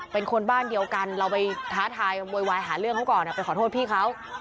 เป็นคนบ้านเดียวกันเราไปท้าทายโวยวายหาเรื่องเขาก่อนไปขอโทษพี่เขา